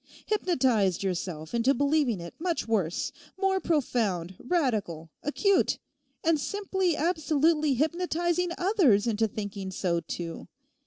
Hypnotised yourself into believing it much worse—more profound, radical, acute—and simply absolutely hypnotizing others into thinking so, too.